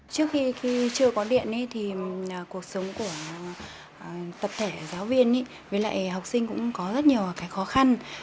trước khi khi chưa có điện thì cuộc sống của tập thể giáo viên với lại học sinh cũng có rất nhiều cái khó khăn